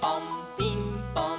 ピンポン！